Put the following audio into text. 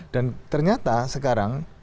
dan ternyata sekarang